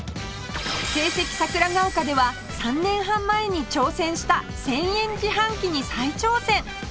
聖蹟桜ヶ丘では３年半前に挑戦した１０００円自販機に再挑戦